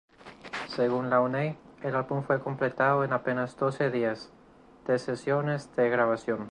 Según Launay, el álbum fue completado en apenas doce días de sesiones de grabación.